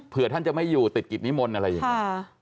เพื่อท่านจะไม่อยู่ติดกิจนิมนต์อะไรอย่างนี้